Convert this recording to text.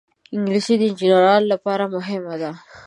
انګلیسي د انجینرانو لپاره مهمه ده